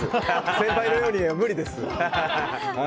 先輩のようには無理です。